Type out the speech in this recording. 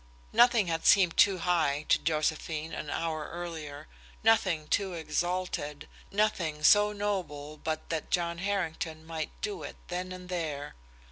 Nothing had seemed too high to Josephine an hour earlier, nothing too exalted, nothing so noble but that John Harrington might do it, then and there.